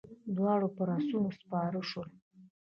دواړه پر آسونو سپاره شول.